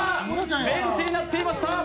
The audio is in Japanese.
ベンチになっていました！